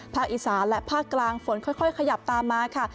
อีสานและภาคกลางฝนค่อยขยับตามมาค่ะ